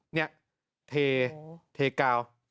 เนี่ยเทเก่า